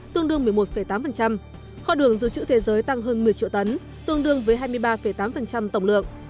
tương đương một mươi một tám kho đường dự trữ thế giới tăng hơn một mươi triệu tấn tương đương với hai mươi ba tám tổng lượng